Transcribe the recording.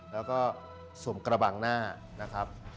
แล้วก็สวมกระบังหน้านะครับ